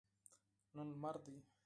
نن لمر دی